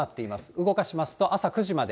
動かしますと、朝９時まで。